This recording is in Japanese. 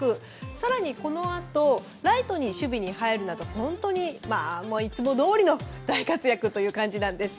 更に、このあとライトの守備に入るなど本当にいつもどおりの大活躍という感じなんです。